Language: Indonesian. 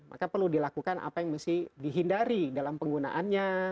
maka perlu dilakukan apa yang mesti dihindari dalam penggunaannya